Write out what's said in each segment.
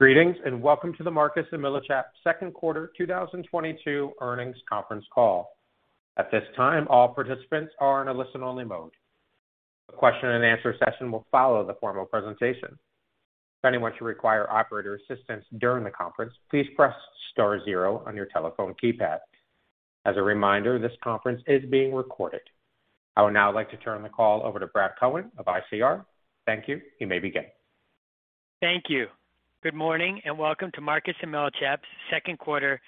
Greetings, and welcome to the Marcus & Millichap second quarter 2022 earnings conference call. At this time, all participants are in a listen-only mode. A question and answer session will follow the formal presentation. If anyone should require operator assistance during the conference, please press star zero on your telephone keypad. As a reminder, this conference is being recorded. I would now like to turn the call over to Brad Cohen of ICR. Thank you. You may begin. Thank you. Good morning, and welcome to Marcus & Millichap's second quarter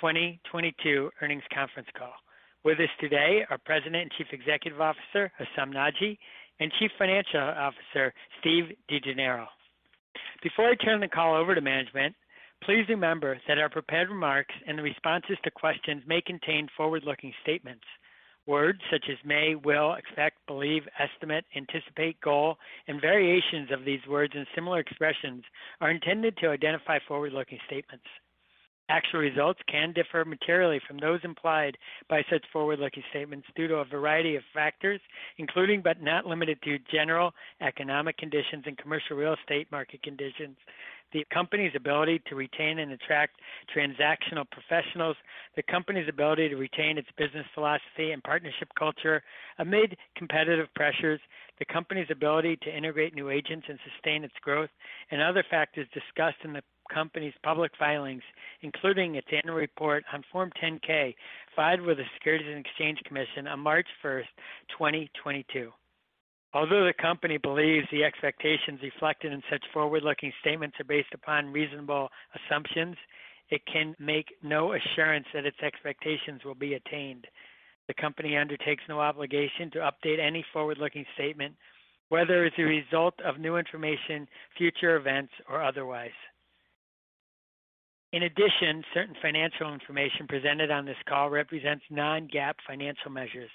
2022 earnings conference call. With us today are President and Chief Executive Officer, Hessam Nadji, and Chief Financial Officer, Steve DeGennaro. Before I turn the call over to management, please remember that our prepared remarks and the responses to questions may contain forward-looking statements. Words such as may, will, expect, believe, estimate, anticipate, goal, and variations of these words and similar expressions are intended to identify forward-looking statements. Actual results can differ materially from those implied by such forward-looking statements due to a variety of factors, including, but not limited to, general economic conditions and commercial real estate market conditions, the company's ability to retain and attract transactional professionals, the company's ability to retain its business philosophy and partnership culture amid competitive pressures, the company's ability to integrate new agents and sustain its growth, and other factors discussed in the company's public filings, including its annual report on Form 10-K filed with the Securities and Exchange Commission on March 1, 2022. Although the company believes the expectations reflected in such forward-looking statements are based upon reasonable assumptions, it can make no assurance that its expectations will be attained. The company undertakes no obligation to update any forward-looking statement, whether as a result of new information, future events, or otherwise. In addition, certain financial information presented on this call represents non-GAAP financial measures.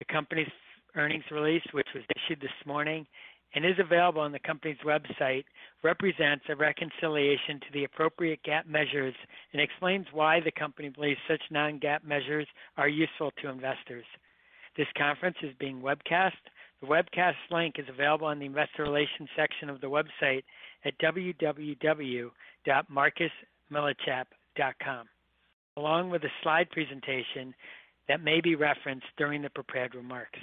The company's earnings release, which was issued this morning and is available on the company's website, represents a reconciliation to the appropriate GAAP measures and explains why the company believes such non-GAAP measures are useful to investors. This conference is being webcast. The webcast link is available on the investor relations section of the website at www.marcusmillichap.com, along with a slide presentation that may be referenced during the prepared remarks.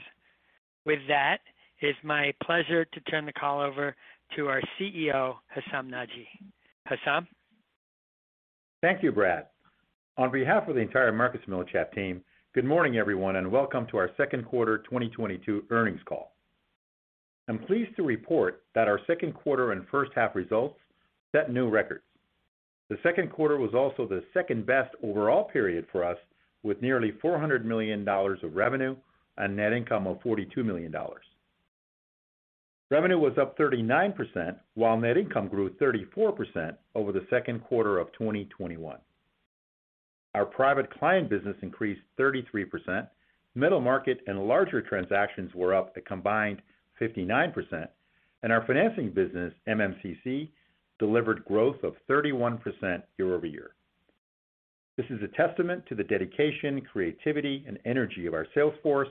With that, it's my pleasure to turn the call over to our CEO, Hessam Nadji. Hessam. Thank you, Brad. On behalf of the entire Marcus & Millichap team, good morning, everyone, and welcome to our second quarter 2022 earnings call. I'm pleased to report that our second quarter and first half results set new records. The second quarter was also the second-best overall period for us, with nearly $400 million of revenue and net income of $42 million. Revenue was up 39%, while net income grew 34% over the second quarter of 2021. Our private client business increased 33%, middle market and larger transactions were up a combined 59%, and our financing business, MMCC, delivered growth of 31% year-over-year. This is a testament to the dedication, creativity, and energy of our sales force,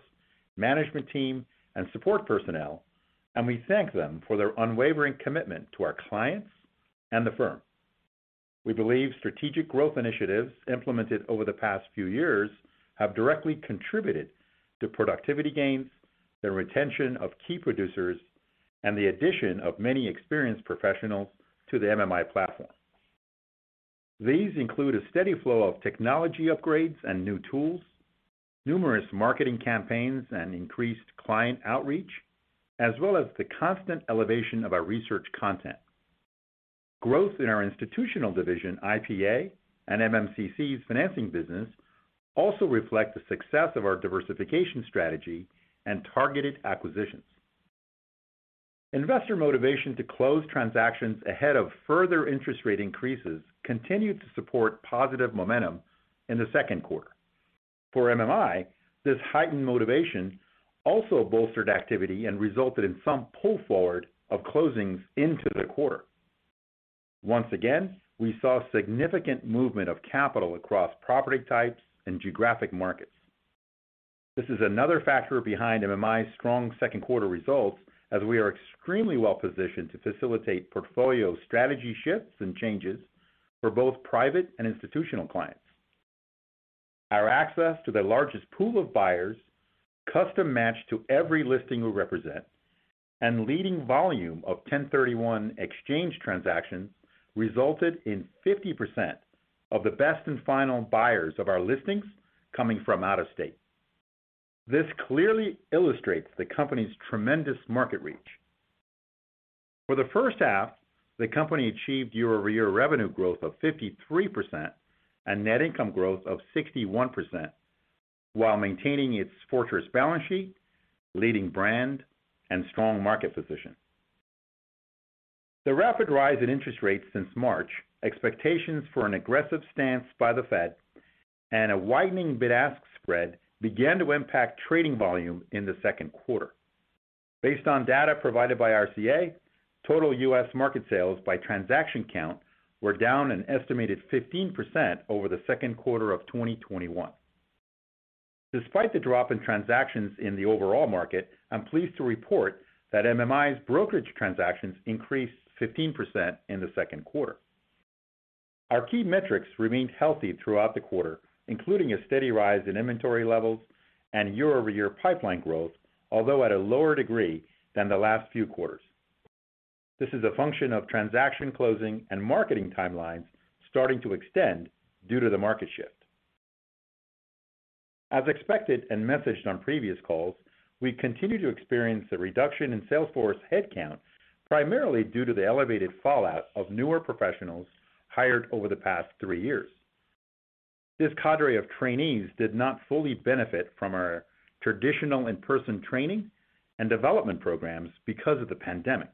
management team, and support personnel, and we thank them for their unwavering commitment to our clients and the firm. We believe strategic growth initiatives implemented over the past few years have directly contributed to productivity gains, the retention of key producers, and the addition of many experienced professionals to the MMI platform. These include a steady flow of technology upgrades and new tools, numerous marketing campaigns, and increased client outreach, as well as the constant elevation of our research content. Growth in our institutional division, IPA, and MMCC's financing business also reflect the success of our diversification strategy and targeted acquisitions. Investor motivation to close transactions ahead of further interest rate increases continued to support positive momentum in the second quarter. For MMI, this heightened motivation also bolstered activity and resulted in some pull forward of closings into the quarter. Once again, we saw significant movement of capital across property types and geographic markets. This is another factor behind MMI's strong second quarter results, as we are extremely well-positioned to facilitate portfolio strategy shifts and changes for both private and institutional clients. Our access to the largest pool of buyers custom-matched to every listing we represent and leading volume of 1031 exchange transactions resulted in 50% of the best and final buyers of our listings coming from out of state. This clearly illustrates the company's tremendous market reach. For the first half, the company achieved year-over-year revenue growth of 53% and net income growth of 61% while maintaining its fortress balance sheet, leading brand, and strong market position. The rapid rise in interest rates since March, expectations for an aggressive stance by the Fed, and a widening bid-ask spread began to impact trading volume in the second quarter. Based on data provided by RCA, total U.S. market sales by transaction count were down an estimated 15% over the second quarter of 2021. Despite the drop in transactions in the overall market, I'm pleased to report that MMI's brokerage transactions increased 15% in the second quarter. Our key metrics remained healthy throughout the quarter, including a steady rise in inventory levels and year-over-year pipeline growth, although at a lower degree than the last few quarters. This is a function of transaction closing and marketing timelines starting to extend due to the market shift. As expected and messaged on previous calls, we continue to experience a reduction in sales force headcount primarily due to the elevated fallout of newer professionals hired over the past three years. This cadre of trainees did not fully benefit from our traditional in-person training and development programs because of the pandemic.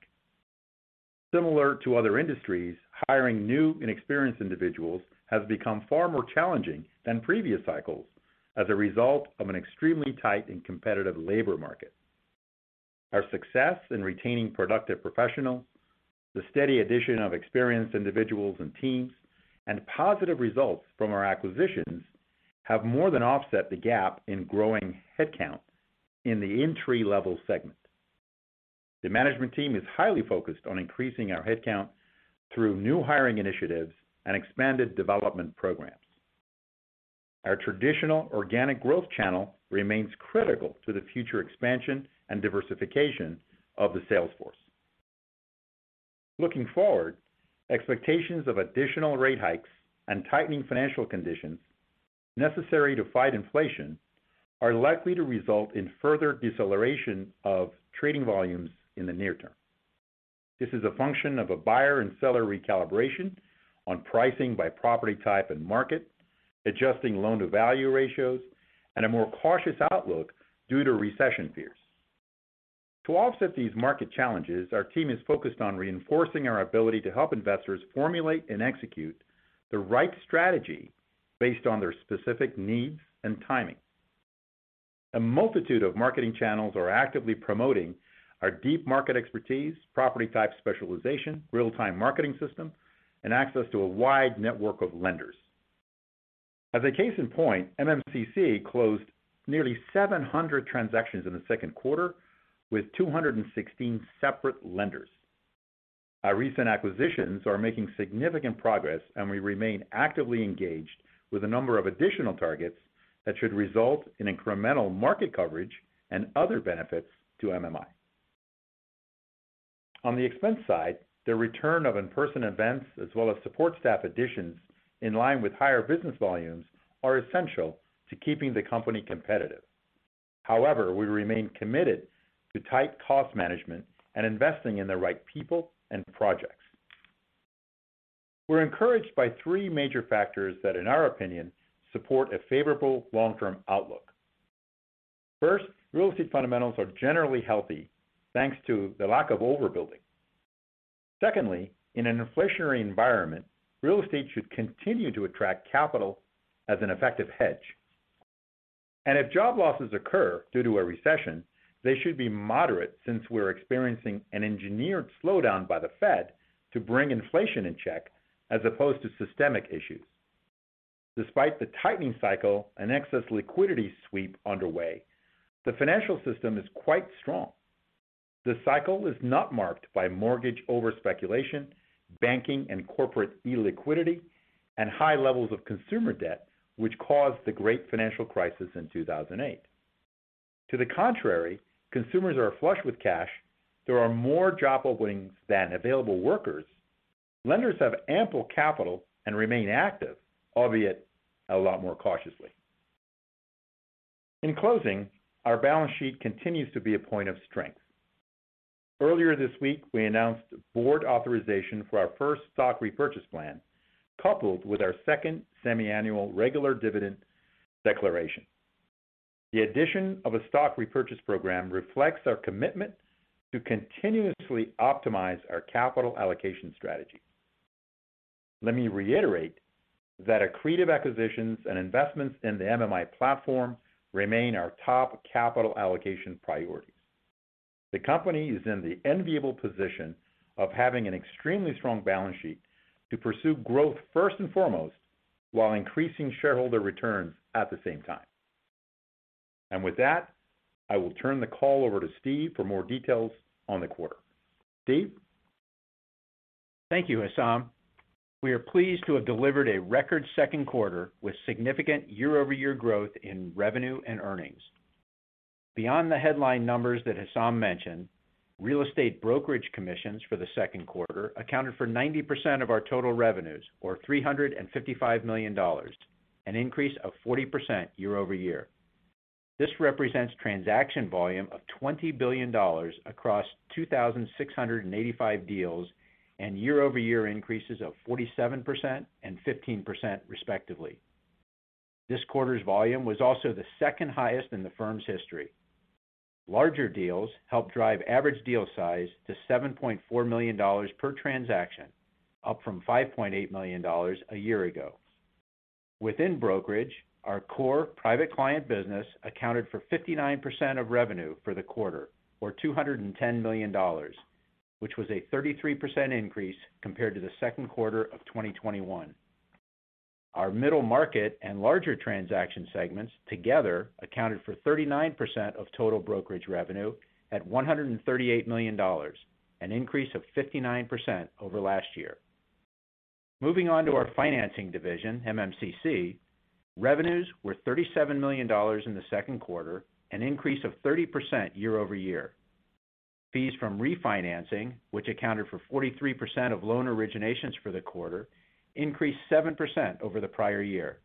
Similar to other industries, hiring new and experienced individuals has become far more challenging than previous cycles as a result of an extremely tight and competitive labor market. Our success in retaining productive professionals, the steady addition of experienced individuals and teams, and positive results from our acquisitions have more than offset the gap in growing headcount in the entry-level segment. The management team is highly focused on increasing our headcount through new hiring initiatives and expanded development programs. Our traditional organic growth channel remains critical to the future expansion and diversification of the sales force. Looking forward, expectations of additional rate hikes and tightening financial conditions necessary to fight inflation are likely to result in further deceleration of trading volumes in the near term. This is a function of a buyer and seller recalibration on pricing by property type and market, adjusting loan-to-value ratios, and a more cautious outlook due to recession fears. To offset these market challenges, our team is focused on reinforcing our ability to help investors formulate and execute the right strategy based on their specific needs and timing. A multitude of marketing channels are actively promoting our deep market expertise, property type specialization, real-time marketing system, and access to a wide network of lenders. As a case in point, MMCC closed nearly 700 transactions in the second quarter with 216 separate lenders. Our recent acquisitions are making significant progress, and we remain actively engaged with a number of additional targets that should result in incremental market coverage and other benefits to MMI. On the expense side, the return of in-person events as well as support staff additions in line with higher business volumes are essential to keeping the company competitive. However, we remain committed to tight cost management and investing in the right people and projects. We're encouraged by three major factors that, in our opinion, support a favorable long-term outlook. First, real estate fundamentals are generally healthy thanks to the lack of overbuilding. Secondly, in an inflationary environment, real estate should continue to attract capital as an effective hedge. If job losses occur due to a recession, they should be moderate since we're experiencing an engineered slowdown by the Fed to bring inflation in check as opposed to systemic issues. Despite the tightening cycle and excess liquidity sweep underway, the financial system is quite strong. This cycle is not marked by mortgage overspeculation, banking and corporate illiquidity, and high levels of consumer debt, which caused the great financial crisis in 2008. To the contrary, consumers are flush with cash. There are more job openings than available workers. Lenders have ample capital and remain active, albeit a lot more cautiously. In closing, our balance sheet continues to be a point of strength. Earlier this week, we announced board authorization for our first stock repurchase plan, coupled with our second semiannual regular dividend declaration. The addition of a stock repurchase program reflects our commitment to continuously optimize our capital allocation strategy. Let me reiterate that accretive acquisitions and investments in the MMI platform remain our top capital allocation priorities. The company is in the enviable position of having an extremely strong balance sheet to pursue growth first and foremost, while increasing shareholder returns at the same time. With that, I will turn the call over to Steve for more details on the quarter. Steve? Thank you, Hessam. We are pleased to have delivered a record second quarter with significant year-over-year growth in revenue and earnings. Beyond the headline numbers that Hessam mentioned, real estate brokerage commissions for the second quarter accounted for 90% of our total revenues, or $355 million, an increase of 40% year over year. This represents transaction volume of $20 billion across 2,685 deals and year-over-year increases of 47% and 15% respectively. This quarter's volume was also the second highest in the firm's history. Larger deals helped drive average deal size to $7.4 million per transaction, up from $5.8 million a year ago. Within brokerage, our core private client business accounted for 59% of revenue for the quarter, or $210 million, which was a 33% increase compared to the second quarter of 2021. Our middle market and larger transaction segments together accounted for 39% of total brokerage revenue at $138 million, an increase of 59% over last year. Moving on to our financing division, MMCC, revenues were $37 million in the second quarter, an increase of 30% year-over-year. Fees from refinancing, which accounted for 43% of loan originations for the quarter, increased 7% over the prior year.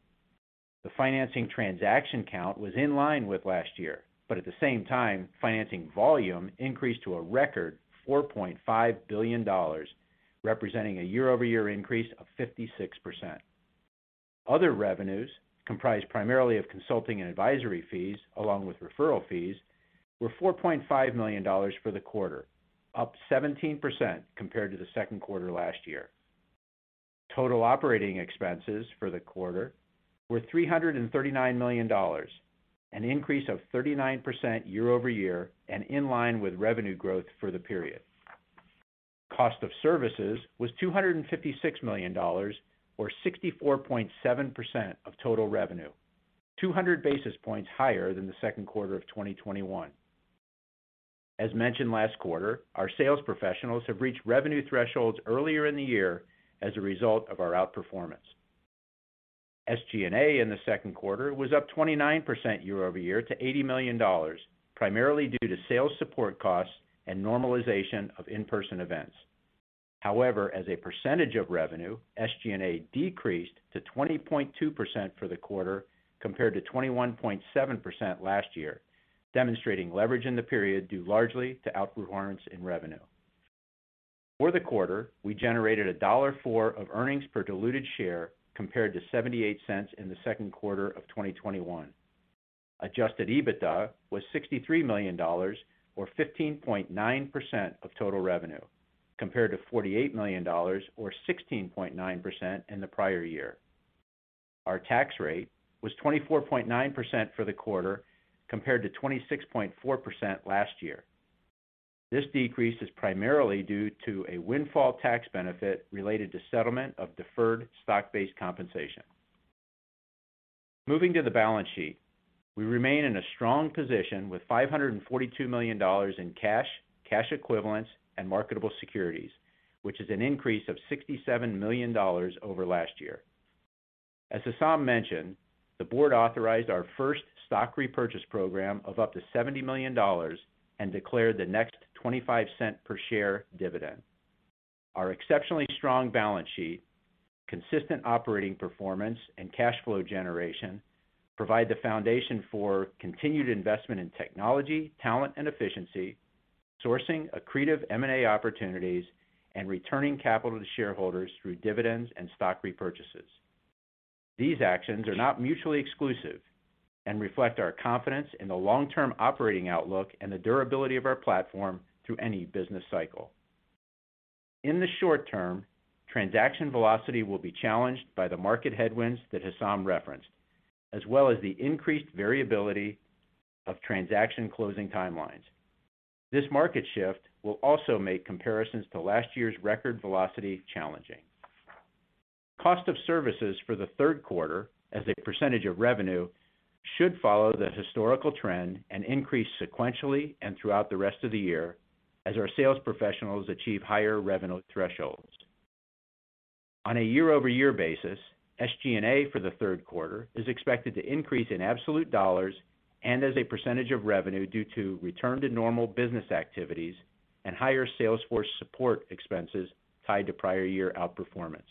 The financing transaction count was in line with last year, but at the same time, financing volume increased to a record $4.5 billion, representing a year-over-year increase of 56%. Other revenues, comprised primarily of consulting and advisory fees along with referral fees, were $4.5 million for the quarter, up 17% compared to the second quarter last year. Total operating expenses for the quarter were $339 million, an increase of 39% year-over-year and in line with revenue growth for the period. Cost of services was $256 million, or 64.7% of total revenue, 200 basis points higher than the second quarter of 2021. As mentioned last quarter, our sales professionals have reached revenue thresholds earlier in the year as a result of our outperformance. SG&A in the second quarter was up 29% year-over-year to $80 million, primarily due to sales support costs and normalization of in-person events. However, as a percentage of revenue, SG&A decreased to 20.2% for the quarter compared to 21.7% last year, demonstrating leverage in the period due largely to outperformance in revenue. For the quarter, we generated $1.04 of earnings per diluted share compared to $0.78 in the second quarter of 2021. Adjusted EBITDA was $63 million or 15.9% of total revenue, compared to $48 million or 16.9% in the prior year. Our tax rate was 24.9% for the quarter, compared to 26.4% last year. This decrease is primarily due to a windfall tax benefit related to settlement of deferred stock-based compensation. Moving to the balance sheet, we remain in a strong position with $542 million in cash equivalents, and marketable securities, which is an increase of $67 million over last year. As Hessam mentioned, the board authorized our first stock repurchase program of up to $70 million and declared the next 25-cent per share dividend. Our exceptionally strong balance sheet, consistent operating performance, and cash flow generation provide the foundation for continued investment in technology, talent, and efficiency, sourcing accretive M&A opportunities, and returning capital to shareholders through dividends and stock repurchases. These actions are not mutually exclusive and reflect our confidence in the long-term operating outlook and the durability of our platform through any business cycle. In the short term, transaction velocity will be challenged by the market headwinds that Hessam referenced, as well as the increased variability of transaction closing timelines. This market shift will also make comparisons to last year's record velocity challenging. Cost of services for the third quarter as a percentage of revenue should follow the historical trend and increase sequentially and throughout the rest of the year as our sales professionals achieve higher revenue thresholds. On a year-over-year basis, SG&A for the third quarter is expected to increase in absolute dollars and as a percentage of revenue due to return to normal business activities and higher sales force support expenses tied to prior year outperformance.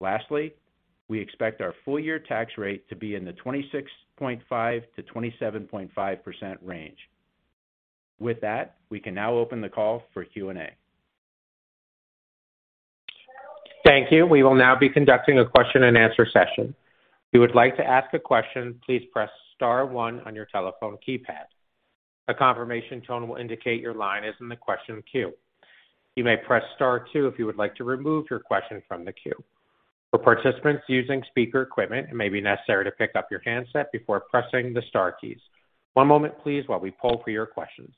Lastly, we expect our full year tax rate to be in the 26.5%-27.5% range. With that, we can now open the call for Q&A. Thank you. We will now be conducting a question-and-answer session. If you would like to ask a question, please press star one on your telephone keypad. A confirmation tone will indicate your line is in the question queue. You may press Star two if you would like to remove your question from the queue. For participants using speaker equipment, it may be necessary to pick up your handset before pressing the star keys. One moment, please, while we poll for your questions.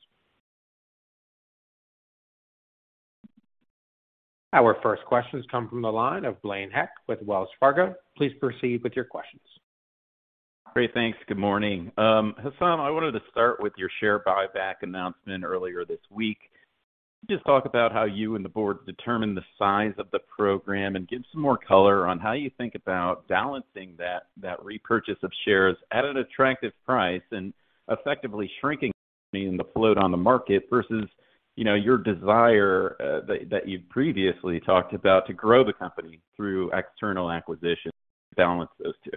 Our first questions come from the line of Blaine Heck with Wells Fargo. Please proceed with your questions. Great. Thanks. Good morning. Hessam, I wanted to start with your share buyback announcement earlier this week. Can you just talk about how you and the board determine the size of the program and give some more color on how you think about balancing that repurchase of shares at an attractive price and effectively shrinking the float on the market versus, you know, your desire, that you've previously talked about to grow the company through external acquisitions to balance those two?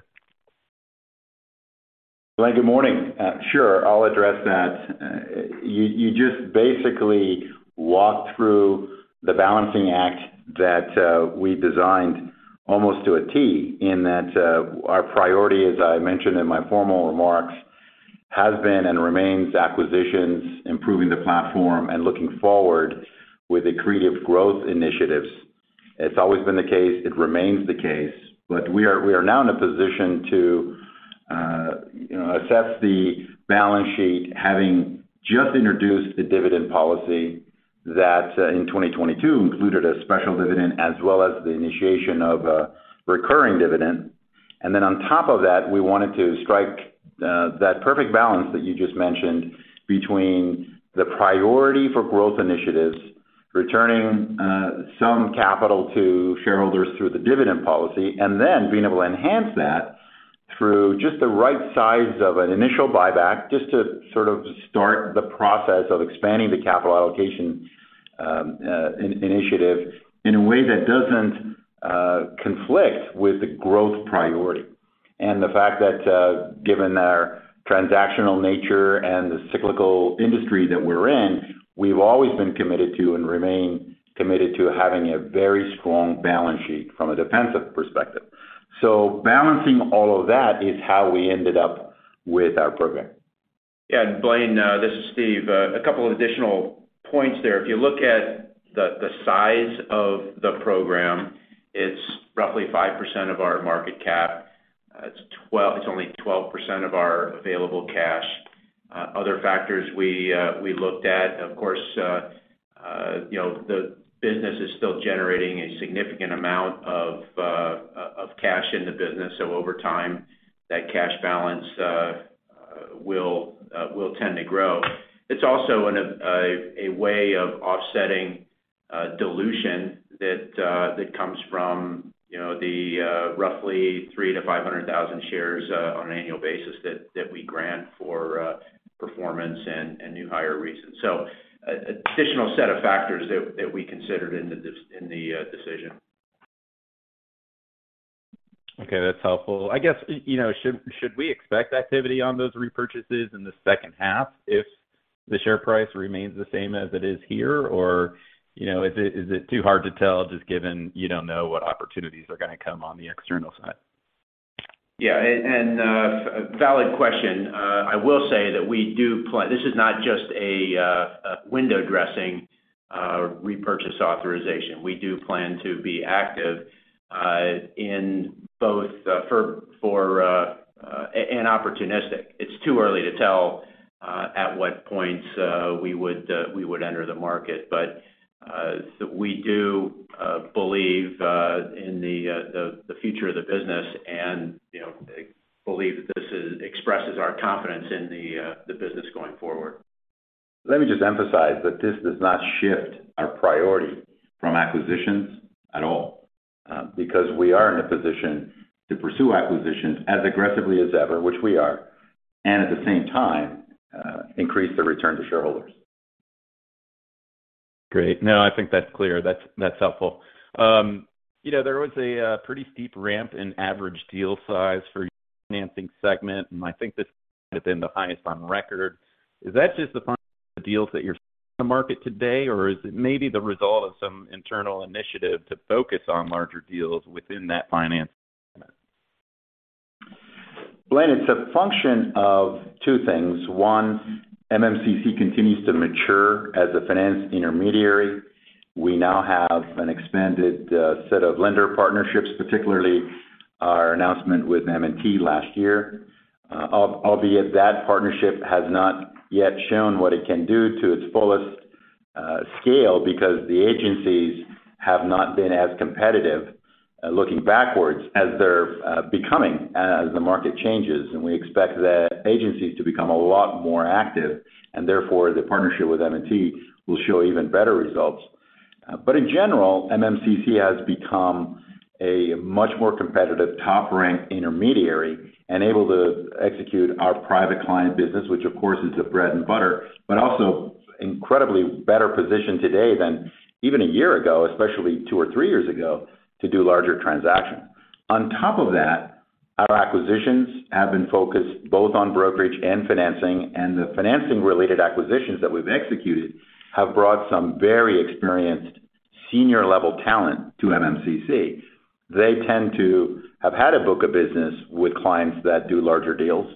Blaine, good morning. Sure, I'll address that. You just basically walked through the balancing act that we designed almost to a T in that our priority, as I mentioned in my formal remarks, has been and remains acquisitions, improving the platform, and looking forward with accretive growth initiatives. It's always been the case, it remains the case, but we are now in a position to, you know, assess the balance sheet, having just introduced the dividend policy that in 2022 included a special dividend as well as the initiation of a recurring dividend. Then on top of that, we wanted to strike that perfect balance that you just mentioned between the priority for growth initiatives, returning some capital to shareholders through the dividend policy, and then being able to enhance that through just the right size of an initial buyback, just to sort of start the process of expanding the capital allocation initiative in a way that doesn't conflict with the growth priority. The fact that, given our transactional nature and the cyclical industry that we're in, we've always been committed to and remain committed to having a very strong balance sheet from a defensive perspective. Balancing all of that is how we ended up with our program. Yeah, Blaine Heck, this is Steve DeGennaro. A couple of additional points there. If you look at the size of the program, it's roughly 5% of our market cap. It's only 12% of our available cash. Other factors we looked at, of course, you know, the business is still generating a significant amount of cash in the business. Over time, that cash balance will tend to grow. It's also a way of offsetting dilution that comes from, you know, the roughly 300,000-500,000 shares on an annual basis that we grant for performance and new hire reasons. Additional set of factors that we considered in the decision. Okay, that's helpful. I guess, you know, should we expect activity on those repurchases in the second half if the share price remains the same as it is here? Or, you know, is it too hard to tell just given you don't know what opportunities are gonna come on the external side? Yeah, valid question. I will say that we do plan. This is not just a window dressing repurchase authorization. We do plan to be active in both forward and opportunistic. It's too early to tell at what point we would enter the market. We do believe in the future of the business and, you know, believe that this expresses our confidence in the business going forward. Let me just emphasize that this does not shift our priority from acquisitions at all, because we are in a position to pursue acquisitions as aggressively as ever, which we are, and at the same time, increase the return to shareholders. Great. No, I think that's clear. That's helpful. You know, there was a pretty steep ramp in average deal size for your financing segment, and I think this has been the highest on record. Is that just the function of the deals that you're seeing in the market today, or is it maybe the result of some internal initiative to focus on larger deals within that finance segment? Blaine, it's a function of two things. One, MMCC continues to mature as a financing intermediary. We now have an expanded set of lender partnerships, particularly our announcement with M&T last year. Albeit that partnership has not yet shown what it can do to its fullest scale because the agencies have not been as competitive looking backwards as they're becoming as the market changes. We expect the agencies to become a lot more active, and therefore, the partnership with M&T will show even better results. In general, MMCC has become a much more competitive top-ranked intermediary and able to execute our private client business, which of course is the bread and butter, but also incredibly better positioned today than even a year ago, especially two or three years ago, to do larger transactions. On top of that, our acquisitions have been focused both on brokerage and financing, and the financing-related acquisitions that we've executed have brought some very experienced senior-level talent to MMCC. They tend to have had a book of business with clients that do larger deals.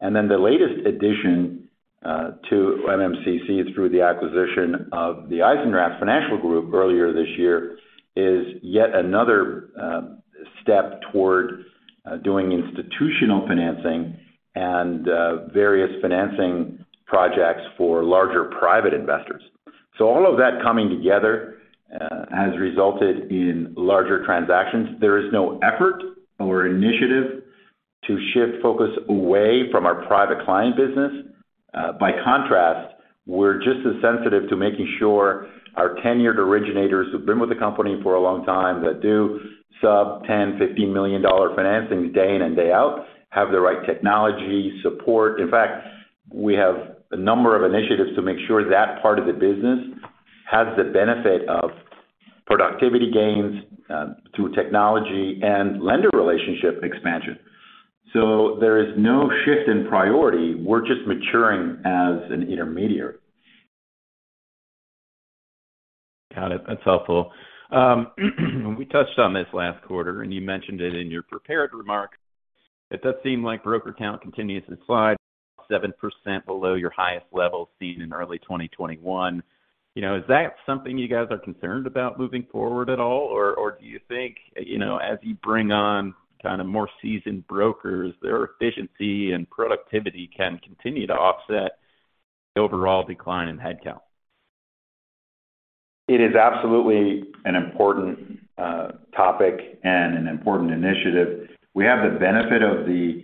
Then the latest addition to MMCC is through the acquisition of the Eisendrath Finance Group earlier this year, is yet another step toward doing institutional financing and various financing projects for larger private investors. All of that coming together has resulted in larger transactions. There is no effort or initiative to shift focus away from our private client business. By contrast, we're just as sensitive to making sure our tenured originators who've been with the company for a long time that do sub-$10, $15 million dollar financings day in and day out, have the right technology support. In fact, we have a number of initiatives to make sure that part of the business has the benefit of productivity gains through technology and lender relationship expansion. There is no shift in priority. We're just maturing as an intermediary. Got it. That's helpful. We touched on this last quarter, and you mentioned it in your prepared remarks. It does seem like broker count continues to slide 7% below your highest level seen in early 2021. You know, is that something you guys are concerned about moving forward at all? Or do you think, you know, as you bring on kind of more seasoned brokers, their efficiency and productivity can continue to offset the overall decline in headcount? It is absolutely an important topic and an important initiative. We have the benefit of the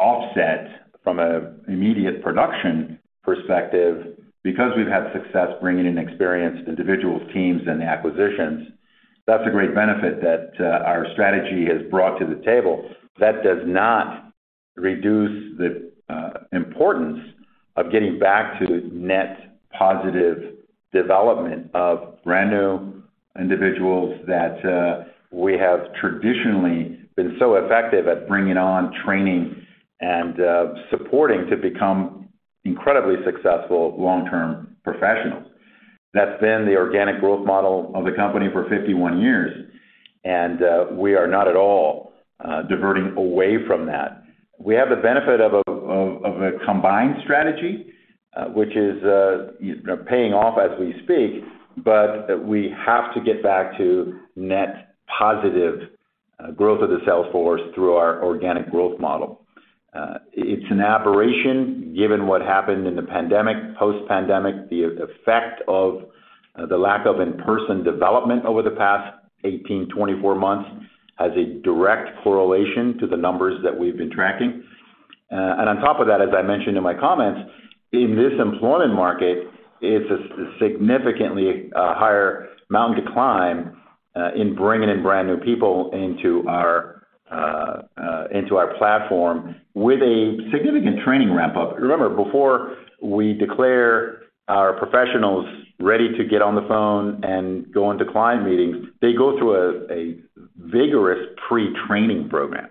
offset from an immediate production perspective because we've had success bringing in experienced individuals, teams, and acquisitions. That's a great benefit that our strategy has brought to the table. That does not reduce the importance of getting back to net positive development of brand-new individuals that we have traditionally been so effective at bringing on training and supporting to become incredibly successful long-term professionals. That's been the organic growth model of the company for 51 years, and we are not at all diverting away from that. We have the benefit of a combined strategy, you know, paying off as we speak, but we have to get back to net positive growth of the sales force through our organic growth model. It's an aberration given what happened in the pandemic. Post-pandemic, the effect of the lack of in-person development over the past 18-24 months has a direct correlation to the numbers that we've been tracking. On top of that, as I mentioned in my comments, in this employment market, it's a significantly higher mountain to climb in bringing in brand-new people into our platform with a significant training ramp-up. Remember, before we declare our professionals ready to get on the phone and go into client meetings, they go through a vigorous pre-training program.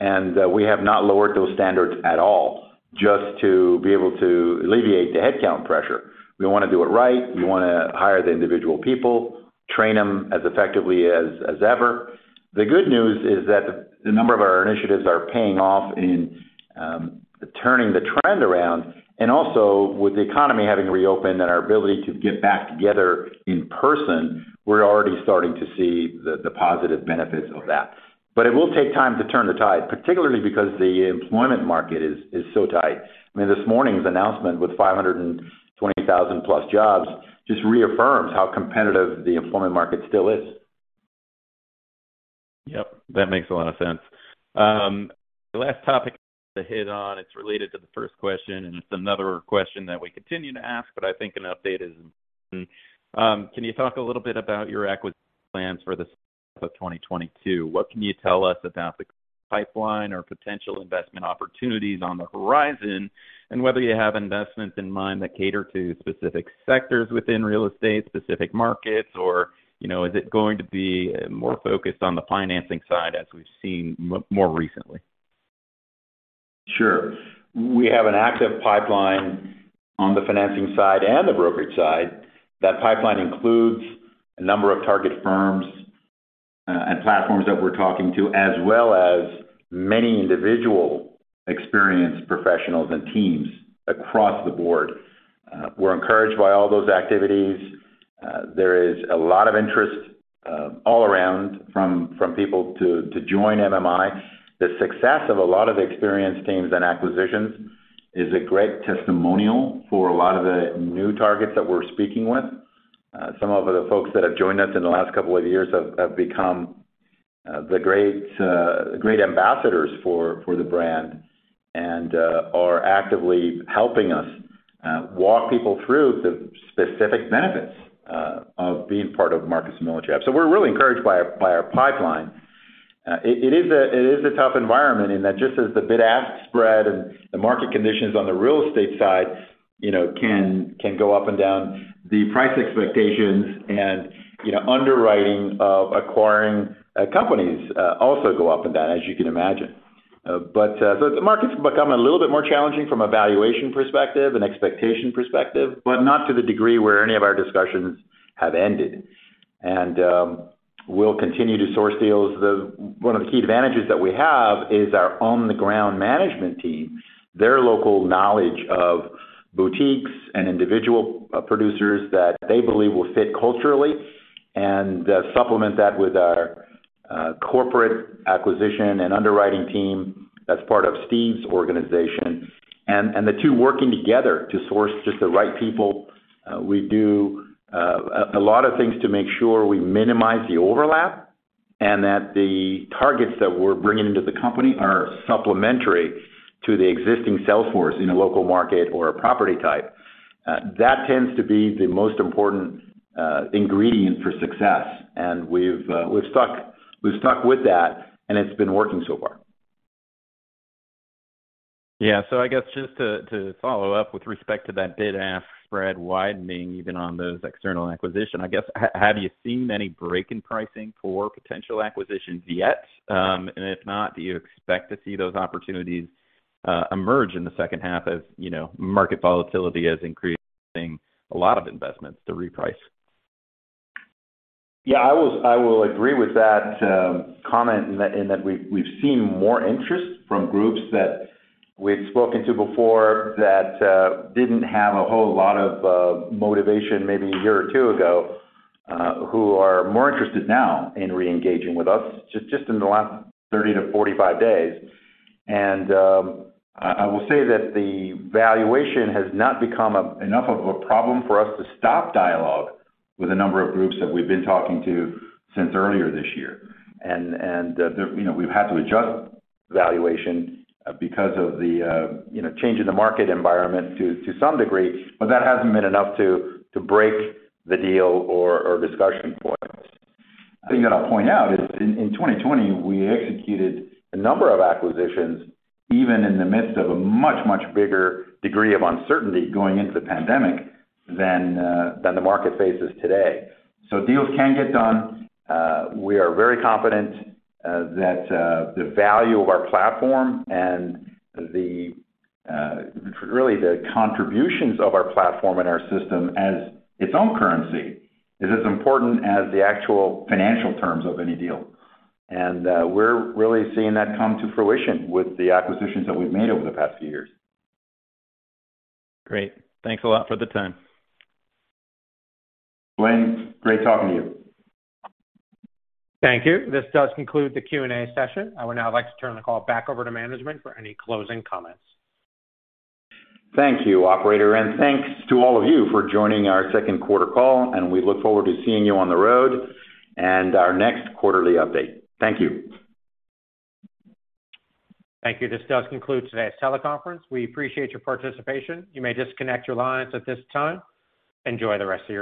We have not lowered those standards at all just to be able to alleviate the headcount pressure. We wanna do it right. We wanna hire the individual people, train them as effectively as ever. The good news is that a number of our initiatives are paying off in turning the trend around, and also with the economy having reopened and our ability to get back together in person, we're already starting to see the positive benefits of that. But it will take time to turn the tide, particularly because the employment market is so tight. I mean, this morning's announcement with 520,000-plus jobs just reaffirms how competitive the employment market still is. Yep. That makes a lot of sense. The last topic to hit on, it's related to the first question, and it's another question that we continue to ask, but I think an update is in order. Can you talk a little bit about your acquisition plans for the second half of 2022? What can you tell us about the pipeline or potential investment opportunities on the horizon, and whether you have investments in mind that cater to specific sectors within real estate, specific markets, or, you know, is it going to be more focused on the financing side as we've seen more recently? Sure. We have an active pipeline on the financing side and the brokerage side. That pipeline includes a number of target firms and platforms that we're talking to, as well as many individual experienced professionals and teams across the board. We're encouraged by all those activities. There is a lot of interest all around from people to join MMI. The success of a lot of experienced teams and acquisitions is a great testimonial for a lot of the new targets that we're speaking with. Some of the folks that have joined us in the last couple of years have become great ambassadors for the brand and are actively helping us walk people through the specific benefits of being part of Marcus & Millichap. We're really encouraged by our pipeline. It is a tough environment in that just as the bid-ask spread and the market conditions on the real estate side, you know, can go up and down, the price expectations and, you know, underwriting of acquiring companies also go up and down, as you can imagine. The market's become a little bit more challenging from a valuation perspective and expectation perspective, but not to the degree where any of our discussions have ended. We'll continue to source deals. One of the key advantages that we have is our on-the-ground management team, their local knowledge of boutiques and individual producers that they believe will fit culturally and supplement that with our corporate acquisition and underwriting team that's part of Steve's organization, and the two working together to source just the right people. We do a lot of things to make sure we minimize the overlap and that the targets that we're bringing into the company are supplementary to the existing sales force in a local market or a property type. That tends to be the most important ingredient for success. We've stuck with that, and it's been working so far. Yeah. I guess just to follow up with respect to that bid-ask spread widening even on those external acquisition, I guess, have you seen any break in pricing for potential acquisitions yet? If not, do you expect to see those opportunities emerge in the second half as, you know, market volatility is increasing a lot of investments to reprice? Yeah, I will agree with that comment in that we've seen more interest from groups that we've spoken to before that didn't have a whole lot of motivation maybe a year or two ago who are more interested now in re-engaging with us just in the last 30-45 days. I will say that the valuation has not become enough of a problem for us to stop dialogue with a number of groups that we've been talking to since earlier this year. You know, we've had to adjust valuation because of the you know, change in the market environment to some degree, but that hasn't been enough to break the deal or discussion points. The thing that I'll point out is in 2020, we executed a number of acquisitions, even in the midst of a much bigger degree of uncertainty going into the pandemic than the market faces today. Deals can get done. We are very confident that the value of our platform and, really, the contributions of our platform and our system as its own currency is as important as the actual financial terms of any deal. We're really seeing that come to fruition with the acquisitions that we've made over the past few years. Great. Thanks a lot for the time. Blaine, great talking to you. Thank you. This does conclude the Q&A session. I would now like to turn the call back over to management for any closing comments. Thank you, operator, and thanks to all of you for joining our second quarter call, and we look forward to seeing you on the road and our next quarterly update. Thank you. Thank you. This does conclude today's teleconference. We appreciate your participation. You may disconnect your lines at this time. Enjoy the rest of your day.